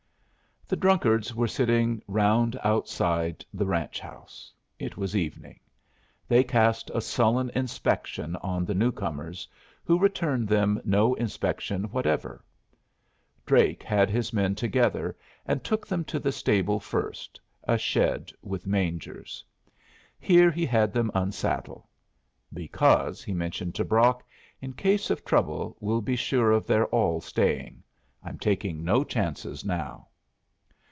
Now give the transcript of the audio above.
The drunkards were sitting round outside the ranch house. It was evening. They cast a sullen inspection on the new comers, who returned them no inspection whatever. Drake had his men together and took them to the stable first, a shed with mangers. Here he had them unsaddle. "Because," he mentioned to Brock, "in case of trouble we'll be sure of their all staying. I'm taking no chances now."